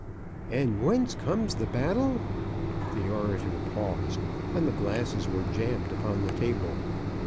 "And whence comes the battle?" The orator paused, and the glasses were jammed upon the table.